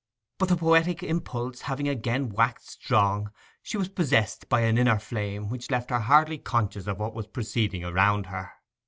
But the poetic impulse having again waxed strong, she was possessed by an inner flame which left her hardly conscious of what was proceeding around her.